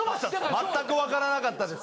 全く分からなかったです。